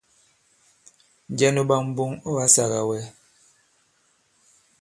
Njɛ nu ɓak mboŋ ɔ̂ ǎ sāgā wɛ?